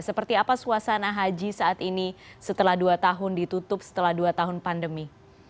seperti apa suasana haji saat ini setelah dua tahun ditutup setelah dua tahun pandemi